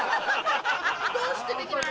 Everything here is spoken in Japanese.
どうしてできない？